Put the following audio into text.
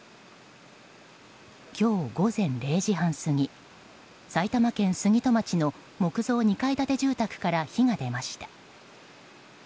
今日午前０時半過ぎ埼玉県杉戸町の木造２階建て住宅から火が出ました。